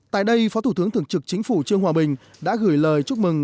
tại đây phó thủ tướng thường trực chính phủ trương hòa bình đã gửi lời chúc mừng